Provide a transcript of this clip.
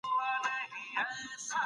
دا د زده کړي سمه لاره ده